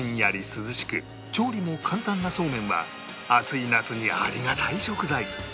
涼しく調理も簡単なそうめんは暑い夏にありがたい食材